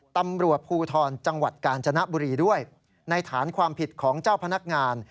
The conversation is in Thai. ตำรวจภูทรจังหวัดกาญจนบุรีด้วยในฐานความผิดของเจ้าพนักงาน